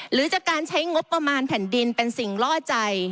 หรือจากการใช้งบประมาณแผ่นดินเป็นสิ่งล่อใจ